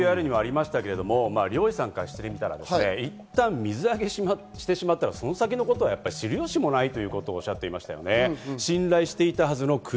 漁師さんからしてみたら、いったん水揚げしてしまったら、その先のことは知る由もないということをおっしゃっていました。